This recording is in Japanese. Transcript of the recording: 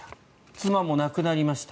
妻も亡くなりました。